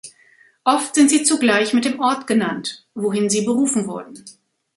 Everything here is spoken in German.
Oft sind sie zugleich mit dem Ort genannt, wohin sie berufen wurden.